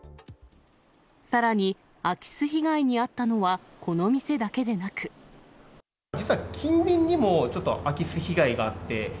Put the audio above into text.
さらに、空き巣被害に遭った実は近隣にも、ちょっと空き巣被害があって。